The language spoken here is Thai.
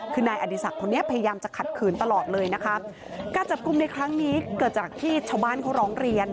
คือนายอดีศักดิ์คนนี้พยายามจะขัดขืนตลอดเลยนะคะการจับกลุ่มในครั้งนี้เกิดจากที่ชาวบ้านเขาร้องเรียน